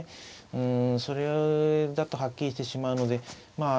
うんそれだとはっきりしてしまうのでまあ